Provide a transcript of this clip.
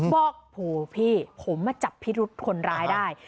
บอกโอ้โหพี่ผมมาจับภีรุดคนรายได้